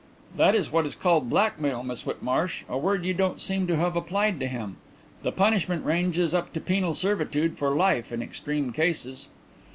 "That is what is called blackmail, Miss Whitmarsh; a word you don't seem to have applied to him. The punishment ranges up to penal servitude for life in extreme cases."